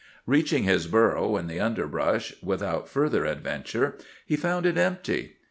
Reaching his burrow in the underbrush without further adventure, he found it empty.